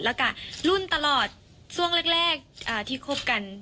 แล้วก็รุ่นตลอดช่วงแรกที่คบกัน